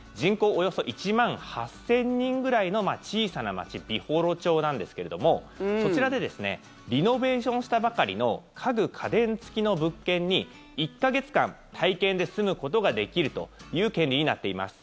およそ１万８０００人くらいの小さな町美幌町なんですけれどもそちらでリノベーションしたばかりの家具・家電付きの物件に１か月間、体験で住むことができるという権利になっています。